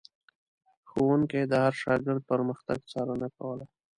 ښوونکي د هر شاګرد پرمختګ څارنه کوله.